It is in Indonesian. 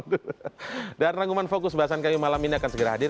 pemirsa fokus bahasan km malam ini akan segera hadir